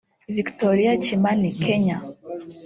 Victoria Kimani (Kenya)